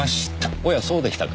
おやそうでしたか。